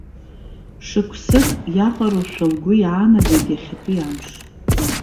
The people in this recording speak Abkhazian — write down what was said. Шықәсык иаҟароушәа лгәы иаанагеит иахьатәи амш.